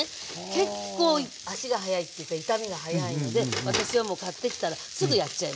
結構足が早いっていうか傷みが早いので私はもう買ってきたらすぐやっちゃいます。